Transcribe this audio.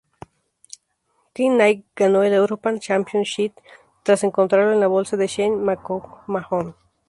Knight ganó el European Championship tras encontrarlo en la bolsa de Shane McMahon.